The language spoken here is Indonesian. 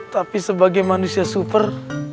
tapi sebagai manusia super